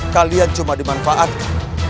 kalian cuma dimanfaatkan